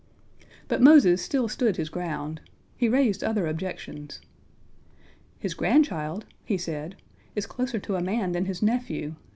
But Moses still stood his ground. He raised other objections. "His grandchild," he said, "is closer to a man than his nephew.